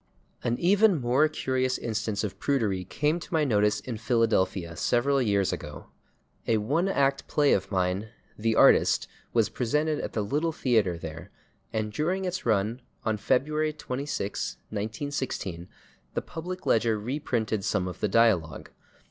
An even more curious instance of prudery came to my notice in Philadelphia several years ago. A one act play of mine, "The Artist," was presented at the Little Theatre there, and during its run, on February 26, 1916, the /Public Ledger/ reprinted some of the dialogue.